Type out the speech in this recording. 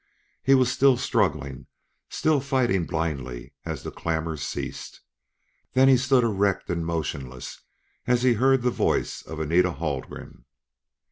He was still struggling, still fighting blindly, as the clamor ceased. Then he stood erect and motionless as he heard the voice of Anita Haldgren.